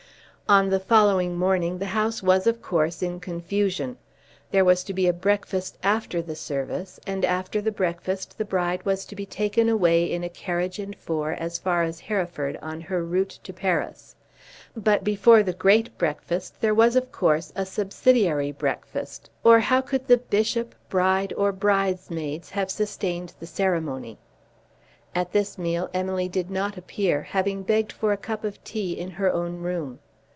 On the following morning the house was of course in confusion. There was to be a breakfast after the service, and after the breakfast the bride was to be taken away in a carriage and four as far as Hereford on her route to Paris; but before the great breakfast there was of course a subsidiary breakfast, or how could bishop, bride, or bridesmaids have sustained the ceremony? At this meal Emily did not appear, having begged for a cup of tea in her own room.